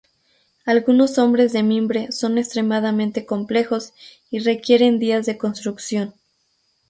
Algunos hombres de mimbre son extremadamente complejos y requieren días de construcción.